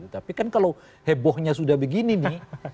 tapi kan kalau hebohnya sudah begini nih